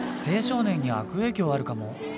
青少年に悪影響あるかも。